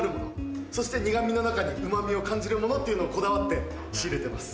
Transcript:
そして苦みの中にうまみを感じるものっていうのをこだわって仕入れてます。